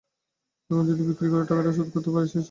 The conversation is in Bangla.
এখন যদি বিক্রি করে টাকাটা শোধ করতে পারি, সেই চেষ্টা নিয়েছি।